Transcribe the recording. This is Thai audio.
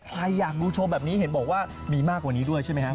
ใครอยากดูโชว์แบบนี้เห็นบอกว่ามีมากกว่านี้ด้วยใช่ไหมฮะ